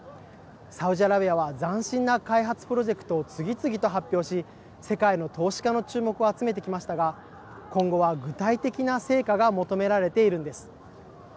サウジアラビアは斬新な開発プロジェクトを次々と発表し世界の投資家の注目を集めてきましたが今後は具体的な成果が求められているんです。